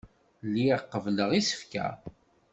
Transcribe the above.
Lliɣ qebbleɣ isefka.